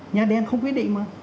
nhà đẻ không quyết định mà